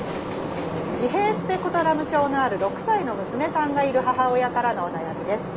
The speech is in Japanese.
自閉スペクトラム症のある６歳の娘さんがいる母親からのお悩みです。